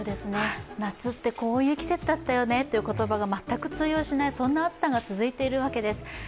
夏ってこういう季節だったよねという言葉が全く通用しない、そんな暑さが続いているわけです。